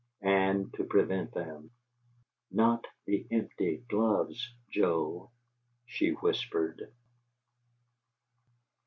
And to prevent them. "Not the empty gloves, Joe," she whispered.